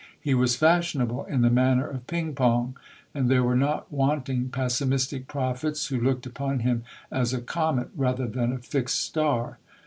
He was fashionable, in the manner of ping pong; and there were not wanting pessimistic prophets who looked upon him as a comet rather than a fixed star.